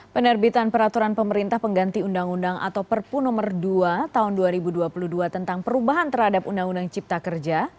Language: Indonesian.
penerbitan peraturan pemerintah pengganti undang undang atau perpu nomor dua tahun dua ribu dua puluh dua tentang perubahan terhadap undang undang cipta kerja